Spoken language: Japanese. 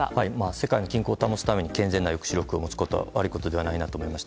世界の均衡を保つために健全な抑止力を保つことは悪いことではないと思います。